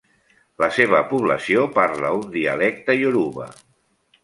La seva població parla un dialecte ioruba.